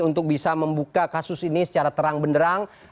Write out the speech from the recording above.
untuk bisa membuka kasus ini secara terang benderang